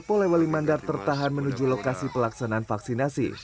polewali mandar tertahan menuju lokasi pelaksanaan vaksinasi